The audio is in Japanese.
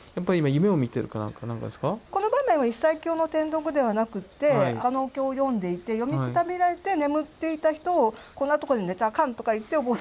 この場面は一切経の転読ではなくって他のお経を読んでいて読みくたびれて眠っていた人を「こんなとこで寝ちゃあかん」とか言ってお坊さんが蹴る。